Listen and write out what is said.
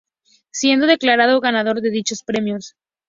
Siendo declarado ganador de dichos premios.